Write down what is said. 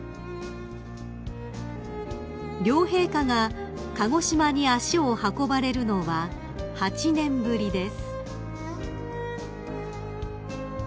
［両陛下が鹿児島に足を運ばれるのは８年ぶりです］